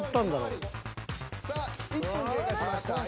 さあ１分経過しました。